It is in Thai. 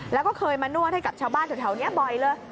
แล้วก็เคยมานวดให้กับชาวบ้านแถวนี้บ่อยเลย